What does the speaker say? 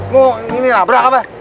mau nyelin abrak apa